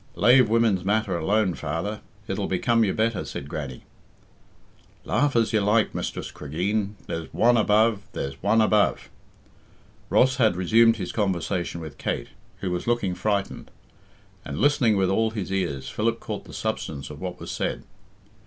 "Lave women's matters alone, father; it'll become you better," said Grannie. "Laugh as you like, Mistress Cregeen; there's One above, there's One above." Ross had resumed his conversation with Kate, who was looking frightened. And listening with all his ears, Philip caught the substance of what was said.